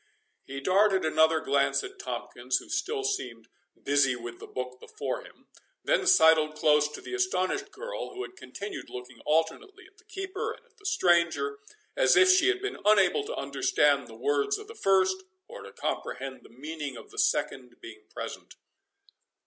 He darted another glance at Tomkins, who still seemed busy with the book before him, then sidled close to the astonished girl, who had continued looking alternately at the keeper and at the stranger, as if she had been unable to understand the words of the first, or to comprehend the meaning of the second being present.